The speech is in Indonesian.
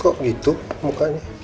kok gitu mukanya